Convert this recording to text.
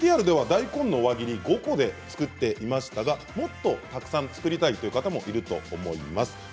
ＶＴＲでは大根の輪切り５個で作っていましたがもっとたくさん作りたい方もいると思います。